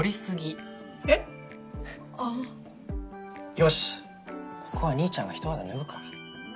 よしここは兄ちゃんが一肌脱ぐか。